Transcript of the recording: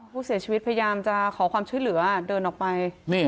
ผู้เสียชีวิตพยายามจะขอความชื่อเหลือเดินออกไป